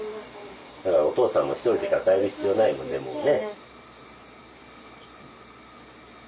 だからお父さんも１人で抱える必要ないもうね。